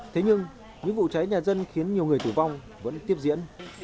thế nhưng những vụ cháy nhà dân khiến nhiều người tử vong vẫn tiếp diễn